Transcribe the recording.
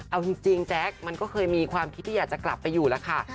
เอาจริงแจ๊คมันก็เคยมีความคิดที่อยากจะกลับไปอยู่แล้วค่ะ